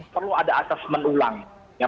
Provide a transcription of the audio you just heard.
perlu ada asas menulang ya